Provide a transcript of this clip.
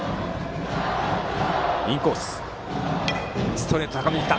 ストレート高めに来た。